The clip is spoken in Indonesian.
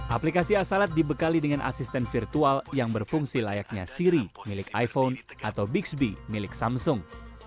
aplikasi asalat dibekali dengan asisten virtual yang berfungsi layaknya siri milik iphone atau bixb milik samsung